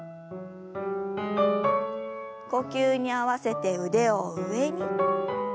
呼吸に合わせて腕を上に。